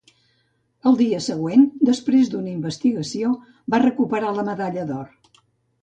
Al dia següent, després d'una investigació, va recuperar la medalla d'or.